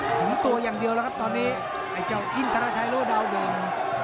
ถึงตัวอย่างเดียวแล้วครับตอนนี้ไอ้เจ้าอินทราชัยหรือว่าดาวเด่น